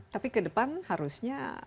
tapi ke depan harusnya